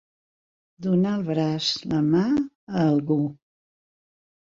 Donar el braç, la mà, a algú.